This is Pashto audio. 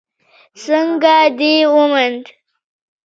_څنګه دې وموند؟